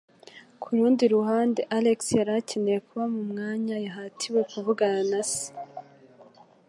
Ku rundi ruhande, Alex yari akeneye kuba mu mwanya yahatiwe kuvugana na se.